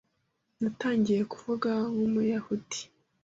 Natangiye kuvuga nk'umuyahudi.